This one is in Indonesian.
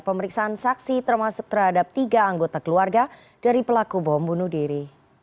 pemeriksaan saksi termasuk terhadap tiga anggota keluarga dari pelaku bom bunuh diri